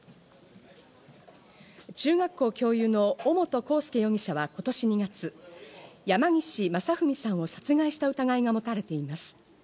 中学校教諭の尾本幸祐容疑者は今年２月、山岸正文さんを殺害した疑いが持たれています。